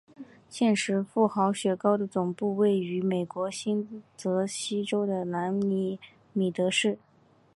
现时富豪雪糕的总部位于美国新泽西州的兰尼米德市。